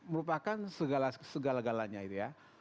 merupakan segala galanya itu ya